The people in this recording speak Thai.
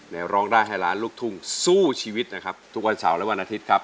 ร้องได้ให้ล้านลูกทุ่งสู้ชีวิตนะครับทุกวันเสาร์และวันอาทิตย์ครับ